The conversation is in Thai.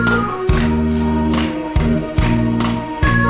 โอ้โห